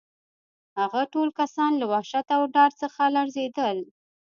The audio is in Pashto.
هغه ټول کسان له وحشت او ډار څخه لړزېدل